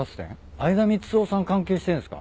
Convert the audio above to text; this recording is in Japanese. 相田みつをさん関係してるんすか？